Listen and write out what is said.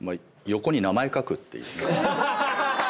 横に名前書くっていう。